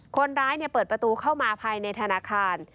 คนร้ายเปิดประตูเข้ามาภายในธนาคาร